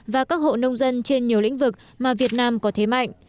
và các hộ nông dân trên nhiều lĩnh vực mà việt nam có thế mạnh